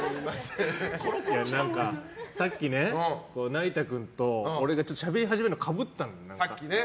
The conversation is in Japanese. さっきね、成田君と俺がしゃべり始めるのかぶったんだよね。